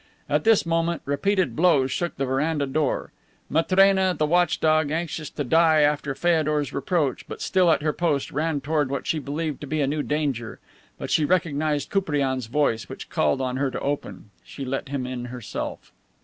At this moment repeated blows shook the veranda door. Matrena, the watch dog, anxious to die after Feodor's reproach, but still at her post, ran toward what she believed to be a new danger. But she recognized Koupriane's voice, which called on her to open. She let him in herself.